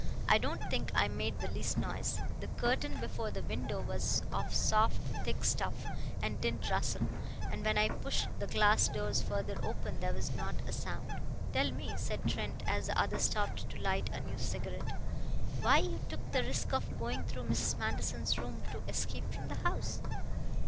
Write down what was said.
I don't think I made the least noise. The curtain before the window was of soft, thick stuff and didn't rustle, and when I pushed the glass doors further open there was not a sound." "Tell me," said Trent as the other stopped to light a new cigarette, "why you took the risk of going through Mrs. Manderson's room to escape from the house?